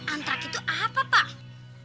ansrak itu apa pak